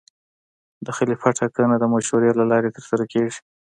د خلیفه ټاکنه د مشورې له لارې ترسره کېږي.